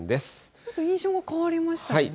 ちょっと印象が変わりましたよね。